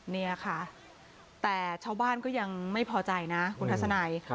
เนี่ยค่ะแต่ชาวบ้านก็ยังไม่พอใจนะคุณทัศนัย